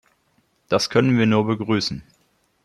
Das können wir nur begrüßen.